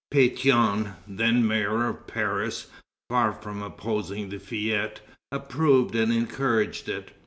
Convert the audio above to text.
Pétion, then mayor of Paris, far from opposing the fête, approved and encouraged it.